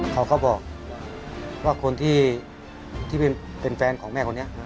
เขาก็บอกว่าคนที่เป็นแฟนของแม่คนนี้